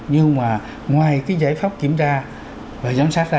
nhưng mà ngoài cái giải pháp kiểm tra và giám sát ra